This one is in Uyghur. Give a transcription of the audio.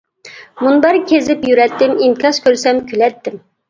مۇنبەر كېزىپ يۈرەتتىم، ئىنكاس كۆرسەم كۈلەتتىم.